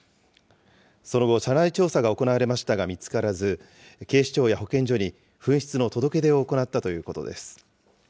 その後、社内調査が行われましたが見つからず、警視庁や保健所に紛失の届け出を行ったということです。